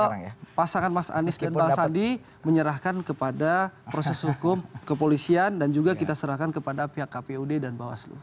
karena pasangan mas anies dan bang sandi menyerahkan kepada proses hukum kepolisian dan juga kita serahkan kepada pihak kpud dan bawaslu